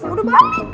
udah balik kok